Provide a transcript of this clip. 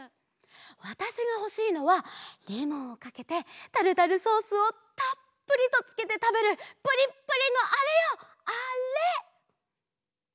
わたしがほしいのはレモンをかけてタルタルソースをたっぷりとつけてたべるプリップリのあれよあれ！